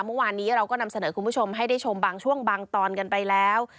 เมื่อวานนี้เราก็นำเสนอคุณผู้ชมให้ได้ชมบางช่วงบางตอนกันไปแล้ว